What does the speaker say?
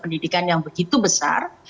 pendidikan yang begitu besar